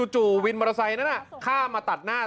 จู่วินมอเตอร์ไซน์นี่หน้าข้ามมาตัดหน้า